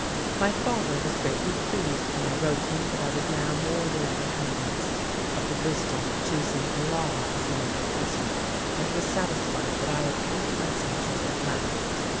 My father was greatly pleased when I wrote him that I was now more than ever convinced of the wisdom of choosing the law as my profession, and was satisfied that I had come to my senses at last.